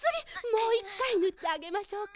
もう１かいぬってあげましょうか？